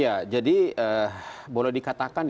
ya jadi boleh dikatakan